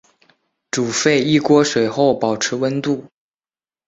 煮沸一锅水后保持温度。